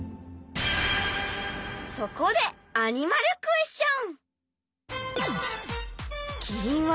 そこでアニマルクエスチョン。